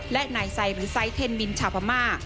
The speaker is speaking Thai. และนายไซหรือไซสเทนมินชาวพม่า